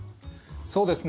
そうですね。